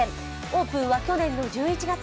オープンは去年の１１月。